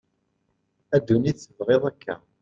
a dunit tebγiḍ akka